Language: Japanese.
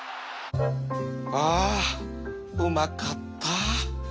あうまかった